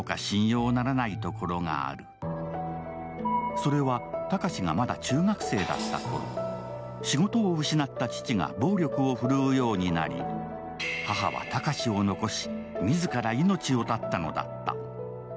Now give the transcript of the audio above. それは、高志がまだ中学生だったころ、仕事を失った父が暴力が振るうようになり、母は高志を残し、自ら命を絶ったのだった。